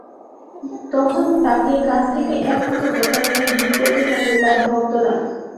তখন তাঁকে কাছ থেকে একনজর দেখার জন্য ভিড় করতে থাকেন তাঁর ভক্তরা।